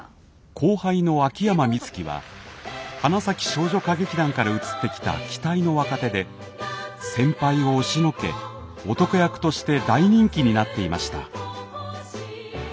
後輩の秋山美月は花咲少女歌劇団から移ってきた期待の若手で先輩を押しのけ男役として大人気になっていました。